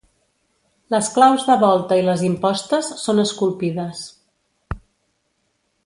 Les claus de volta i les impostes són esculpides.